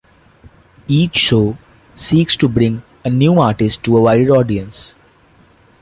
Each show seeks to bring a new artist to a wider audience.